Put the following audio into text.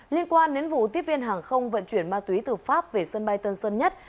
liên quan đến vụ tiếp viên hàng không vận chuyển ma túy từ pháp về sân bay tân sơn nhất